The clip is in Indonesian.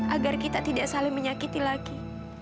agar kita tidak saling menyakiti lagi